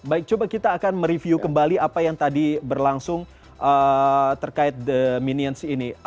baik coba kita akan mereview kembali apa yang tadi berlangsung terkait the minions ini